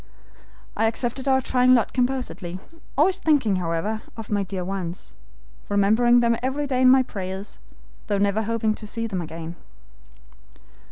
I accepted our trying lot composedly, always thinking, however, of my dear ones, remembering them every day in my prayers, though never hoping to see them again.